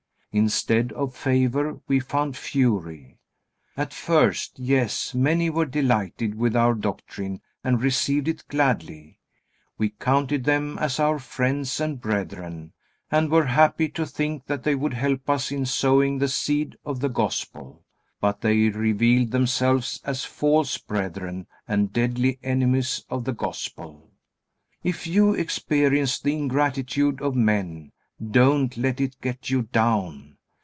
Instead of favor, we found fury. At first, yes, many were delighted with our doctrine and received it gladly. We counted them as our friends and brethren, and were happy to think that they would help us in sowing the seed of the Gospel. But they revealed themselves as false brethren and deadly enemies of the Gospel. If you experience the ingratitude of men, don't let it get you down.